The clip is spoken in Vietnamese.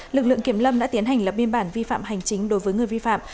lực lượng kiểm lâm đã tiến hành lập biên bản vi phạm hành chính đối với người vi phạm